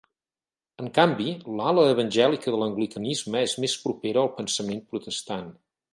En canvi, l'ala evangèlica de l'anglicanisme és més propera al pensament protestant.